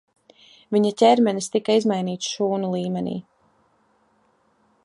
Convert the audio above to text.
Viņa ķermenis tika izmainīts šūnu līmenī.